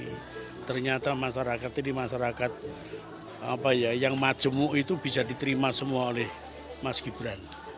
jadi ternyata masyarakat ini masyarakat yang majemuk itu bisa diterima semua oleh mas gibran